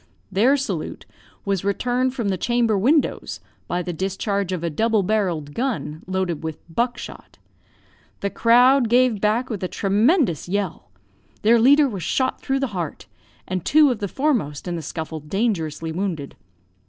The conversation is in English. Their salute was returned from the chamber windows, by the discharge of a double barrelled gun, loaded with buck shot. The crowd gave back with a tremendous yell. Their leader was shot through the heart, and two of the foremost in the scuffle dangerously wounded.